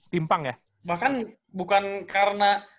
timpang ya bahkan bukan karena